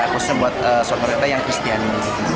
khususnya buat suami anak yang kristiani